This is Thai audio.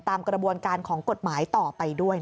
ตามกระบวนการของกฎหมายต่อไปด้วย